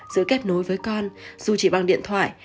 giữa kết nối với con dù chỉ bằng điện thoại